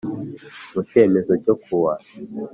mu cyemezo cyo ku wa